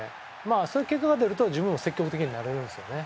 そういう結果が出ると自分も積極的になれるんですよね。